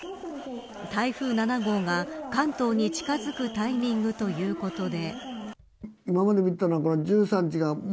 台風７号が関東に近づくタイミングということで。